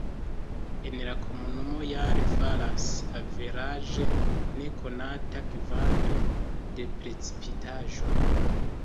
En la komunumo jare falas averaĝe ne konata kvanto de precipitaĵo.